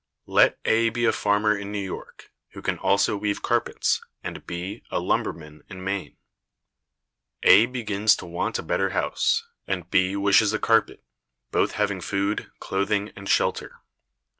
Let A be a farmer in New York, who can also weave carpets, and B a lumberman in Maine. A begins to want a better house, and B wishes a carpet, both having food, clothing, and shelter.